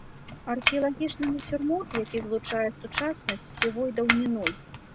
Археалагічны нацюрморт, які злучае сучаснасць з сівой даўніной.